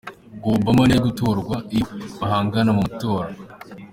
Ngo Obama ntiyari gutorwa iyo bahangana mu matora.